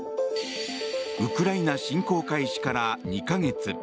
ウクライナ侵攻開始から２か月。